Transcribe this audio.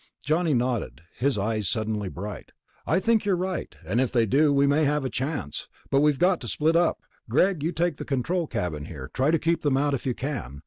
Johnny nodded, his eyes suddenly bright. "I think you're right. And if they do, we may have a chance. But we've got to split up.... Greg, you take the control cabin here, try to keep them out if you can.